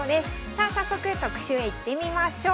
さあ早速特集いってみましょう。